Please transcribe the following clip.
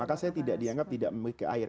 maka saya tidak dianggap tidak memiliki air